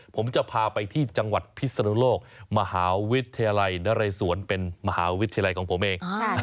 ผมจะพาไปที่จังหวัดพิศนุโลกมหาวิทยาลัยนเรศวรเป็นมหาวิทยาลัยของผมเอง